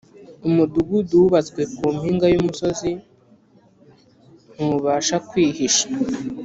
Umudugudu wubatswe ku mpinga y’umusozi ntubasha kwihisha